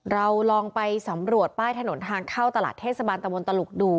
เราลองไปสำรวจป้ายถนนทางเข้าตลาดเทศบาลตะมนตลุกดู